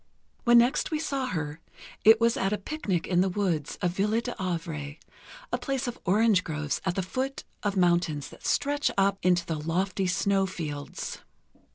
When next we saw her, it was at a picnic in the woods of "Ville D'Avray" ... a place of orange groves at the foot of mountains that stretch up into the lofty snow fields.